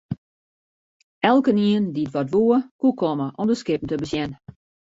Elkenien dy't dat woe, koe komme om de skippen te besjen.